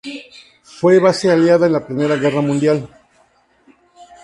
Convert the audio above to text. Fue base aliada en la Primera Guerra Mundial.